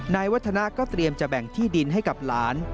นายวัฒนาก็เตรียมจะแบ่งที่ดินให้กับหลาน